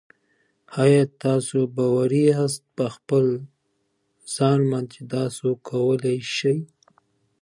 خپله ازادي د قانون په چوکاټ کي وساتئ.